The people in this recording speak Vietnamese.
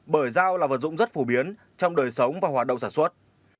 bởi dao là vật dụng rất phổ biến trong đời sống và hoạt động sản xuất